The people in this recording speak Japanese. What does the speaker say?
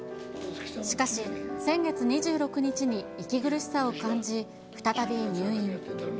しかし、先月２６日に息苦しさを感じ、再び入院。